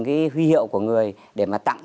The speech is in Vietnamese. cái huy hiệu của người để mà tặng